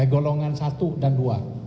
golongan satu dan dua